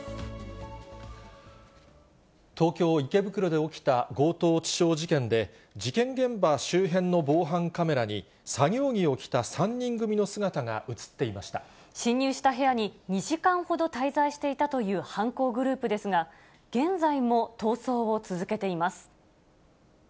東京・池袋で起きた強盗致傷事件で、事件現場周辺の防犯カメラに、作業着を着た３人組の姿が写って侵入した部屋に２時間ほど滞在していたという犯行グループですが、現在も逃走を続けています。